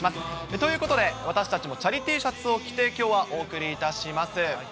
ということで、私たちもチャリＴシャツを着てきょうはお送りいたします。